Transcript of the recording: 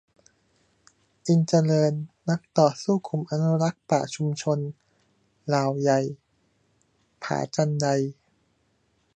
อินทร์เจริญ นักต่อสู้กลุ่มอนุรักษ์ป่าชุมชนเหล่าใหญ่-ผาจันได